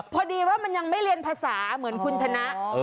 พอดีว่ามันยังไม่เรียนภาษาเหมือนคุณชนะ